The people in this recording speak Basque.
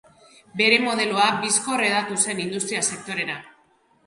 Bere modeloa bizkor hedatu zen industria-sektorera.